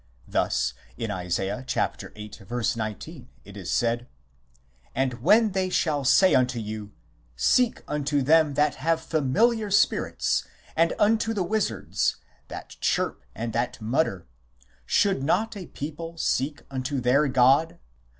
Thus, in Isa. viii. 19 it is said :" And when they shall say unto you, Seek unto them that have familiar spirits and unto the wizards : that chirp and that mutter : should not a people seek unto their God